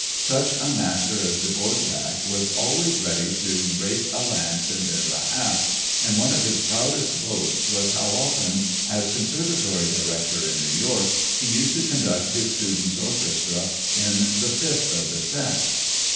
Such a master as Dvorak was always ready to break a lance in their behalf and one of his proudest boasts was how often, as Conservatory director in New York, he used to conduct his students' orchestra in the Fifth of the set.